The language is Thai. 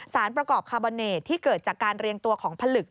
สารประกอบคาร์บอเนตที่เกิดจากการเรียงตัวของผลึก